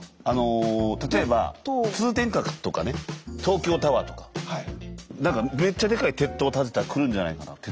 例えば通天閣とかね東京タワーとか何かめっちゃでかい鉄とう建てたら来るんじゃないかな。